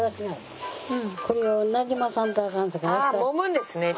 あもむんですね。